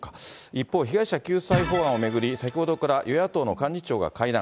一方、被害者救済法案を巡り、先ほどから与野党の幹事長が会談。